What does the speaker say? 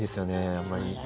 あんまり。